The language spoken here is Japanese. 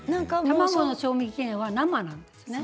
卵の賞味期限は生なんですね。